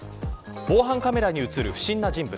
防犯カメラに映る不審な人物。